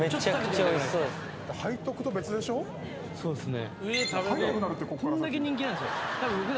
そうっすね。